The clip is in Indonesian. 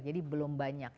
jadi belum banyak